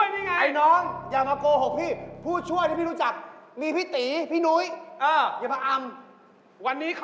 นี่ไงผมเป็นผู้ช่วยเห็นไหมนะโจยวัลล่าวัลล่าเนี่ย